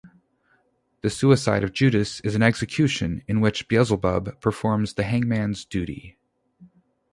The suicide of Judas is an execution, in which Beelzebub performs the hangman's duty.